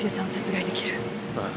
ああ。